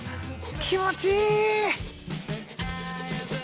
気持ちいい！